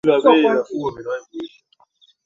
funga ni ibanda ambayo inafanyika kwa kila muislamu